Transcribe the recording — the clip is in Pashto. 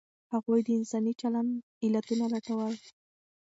هغوی د انساني چلند علتونه لټول.